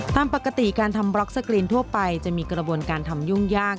ตามปกติการทำบล็อกสกรีนทั่วไปจะมีกระบวนการทำยุ่งยาก